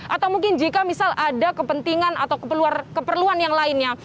atau mungkin jika misal ada kepentingan atau keperluan yang lainnya